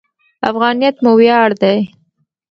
افغانیت مو ویاړ دی.